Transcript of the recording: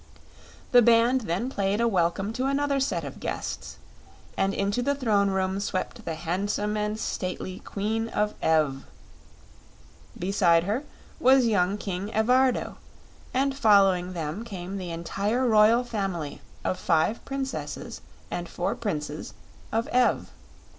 The band then played a welcome to another set of guests, and into the Throne Room swept the handsome and stately Queen of Ev. Beside her was young King Evardo, and following them came the entire royal family of five Princesses and four Princes of Ev.